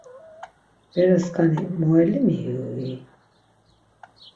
Bere skani muellimi iyu-i?